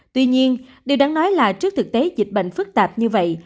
tuy nhiên điều đáng nói là trước thực tế dịch bệnh phức tạp như vậy